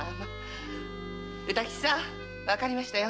歌吉さんわかりましたよ。